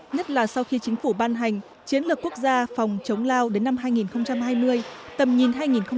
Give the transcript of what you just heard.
nhất là sau khi chính phủ ban hành chiến lược quốc gia phòng chống lao đến năm hai nghìn hai mươi tầm nhìn hai nghìn ba mươi